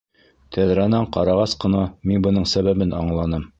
Тәҙрәнән ҡарағас ҡына мин бының сәбәбен аңланым.